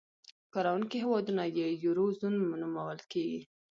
کاروونکي هېوادونه یې یورو زون نومول کېږي.